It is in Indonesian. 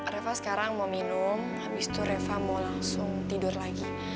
reva sekarang mau minum habis itu reva mau langsung tidur lagi